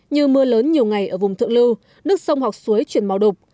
như mưa lớn nhiều ngày ở vùng thượng lưu nước sông hoặc suối chuyển màu đục